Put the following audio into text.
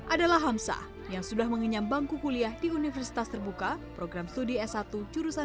adalah hamsah yang sudah mengenyam bangku kuliah di universitas terbuka program studi s satu jurusan